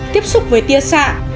tiếp xúc với tia sạ